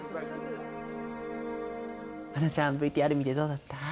英ちゃんＶＴＲ見てどうだった？